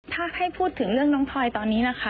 ถ้าให้พูดถึงเรื่องน้องพลอยตอนนี้นะคะ